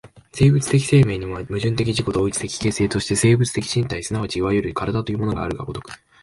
生物的生命には、矛盾的自己同一的形成として生物的身体即ちいわゆる身体というものがある如く、